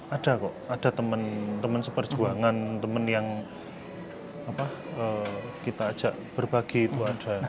ada kok ada teman teman seperjuangan teman yang kita ajak berbagi itu ada